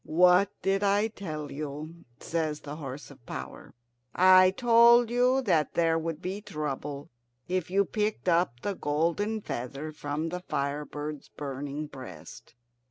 "What did I tell you?" says the horse of power. "I told you that there would be trouble if you picked up the golden feather from the fire bird's burning breast.